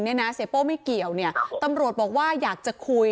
นี่น่ะเสป้มไม่เกี่ยวตำรวจบอกว่าอยากจะคลุย